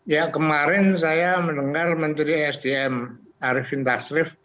ya kemarin saya mendengar menteri sdm arifin tasrif